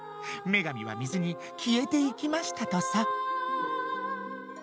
女神は水に消えていきましたとさ。